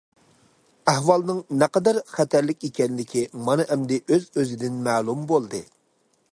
ئەھۋالنىڭ نەقەدەر خەتەرلىك ئىكەنلىكى مانا ئەمدى ئۆز- ئۆزىدىن مەلۇم بولدى.